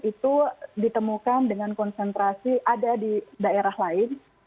itu ditemukan dengan konsentrasi ada di daerah lain